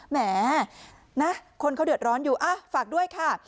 แหมนะคนเขาเดือดร้อนอยู่ฝากด้วยค่ะ